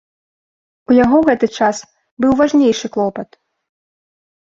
У яго ў гэты час быў важнейшы клопат.